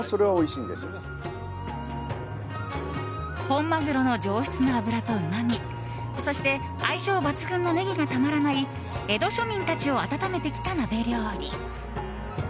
本マグロの上質な脂とうまみそして、相性抜群のネギがたまらない江戸庶民たちを温めてきた鍋料理。